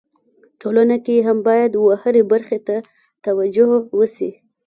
ټولنه کي هم باید و هري برخي ته توجو وسي.